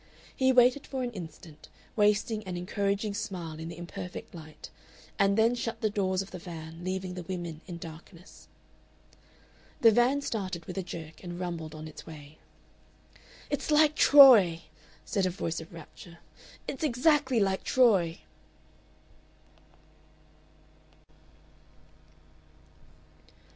He waited for an instant, wasting an encouraging smile in the imperfect light, and then shut the doors of the van, leaving the women in darkness.... The van started with a jerk and rumbled on its way. "It's like Troy!" said a voice of rapture. "It's exactly like Troy!"